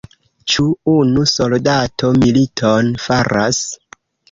Ĉu unu soldato militon faras?